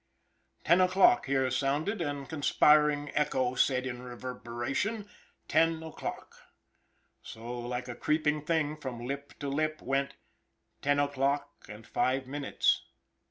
Ten o'clock here sounded, and conspiring echo said in reverberation: "Ten o'clock!" So like a creeping thing, from lip to lip, went: "Ten o'clock and five minutes."